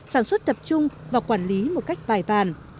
sản xuất tập trung và quản lý một cách vài vàn